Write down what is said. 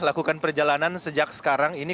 lakukan perjalanan sejak sekarang ini